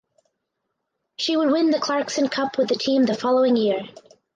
She would win the Clarkson Cup with the team the following year.